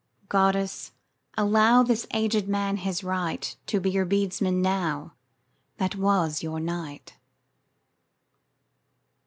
Goddess, allow this agèd man his right To be your beadsman now that was your knight.